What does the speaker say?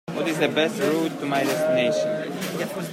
What is the best route to my destination?